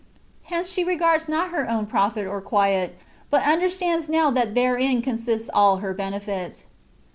Hence she regards not her own profit or quiet, but understands now that therein consists all her benefit.